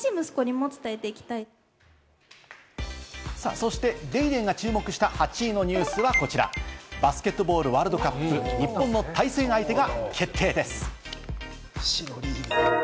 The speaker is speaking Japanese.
そして『ＤａｙＤａｙ．』が注目した８位のニュースはこちら、バスケットボールワールドカップ、日本の対戦相手が決定です。